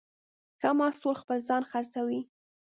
ښه محصول خپله ځان خرڅوي.